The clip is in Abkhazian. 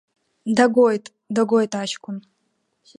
Дагоит, дагоит аҷкәын.